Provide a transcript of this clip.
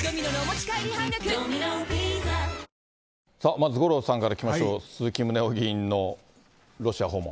まず五郎さんから聞きましょう、鈴木宗男議員のロシア訪問。